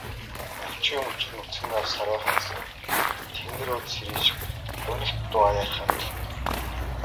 Навчгүй мөчир нүцгэн гар сарвайх адил тэнгэр өөд сэрийж, гунигт дуу аяархан аялна.